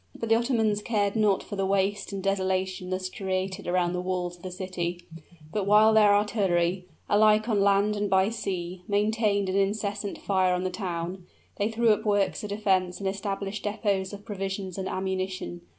But the Ottomans cared not for the waste and desolation thus created around the walls of the city; but while their artillery, alike on land and by sea, maintained an incessant fire on the town, they threw up works of defense and established depots of provisions and ammunition.